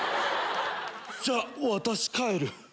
じゃ私帰る。